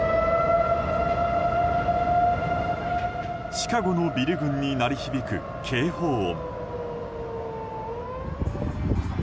シカゴのビル群に鳴り響く警報音。